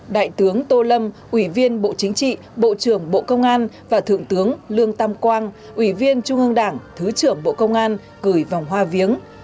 đại tướng tô lâm ủy viên bộ chính trị bộ trưởng bộ công an và thượng tướng lương tam quang ủy viên trung ương đảng thứ trưởng bộ công an gửi vòng hoa viếng